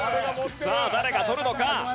さあ誰が取るのか？